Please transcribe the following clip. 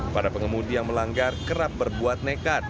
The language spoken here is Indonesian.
para pengemudi yang melanggar kerap berbuat nekat